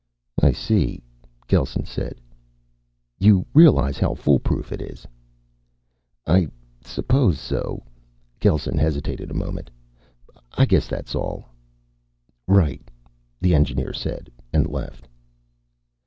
"I see," Gelsen said. "You realize how foolproof it is?" "I suppose so." Gelsen hesitated a moment. "I guess that's all." "Right," the engineer said, and left.